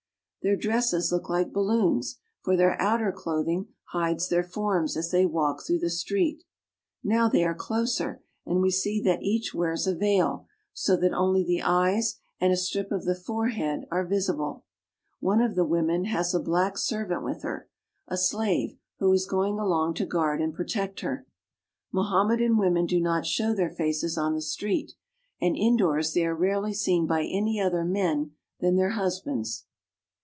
Their dresses look like balloons, for their outer clothing hides their forms as they walk through the street. Now they are closer, and we see that each wears a veil, so that only the eyes and a strip of the forehead are visible. One of the women has a black ser vant with her, a slave who is going along to guard and protect her. Mohammedan women do not show their faces on the street; and indoors they are rarely seen by any other men than their hus bands.